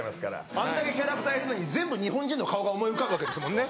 あんだけキャラクターいるのに全部日本人の顔が思い浮かぶわけですもんね。